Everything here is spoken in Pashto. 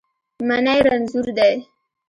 منی رنځور دی